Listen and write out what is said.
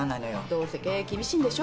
どうせ経営厳しいんでしょ？